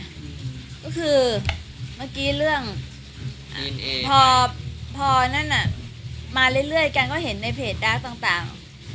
ก็คือเมื่อกี้เรื่องพอนั่นมาเรื่อยแกก็เห็นในเพจดาร์กต่าง